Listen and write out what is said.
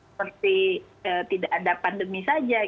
seperti tidak ada pandemi saja